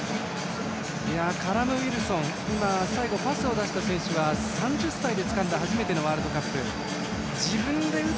カラム・ウィルソン最後パスを出した選手が３０歳でつかんだ初めてのワールドカップ。